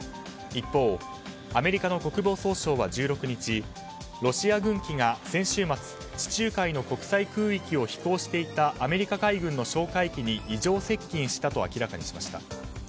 一方、アメリカの国防総省は１６日、ロシア軍機が先週末地中海の国際空域を飛行していたアメリカ海軍の哨戒機に異常接近したと明らかにしました。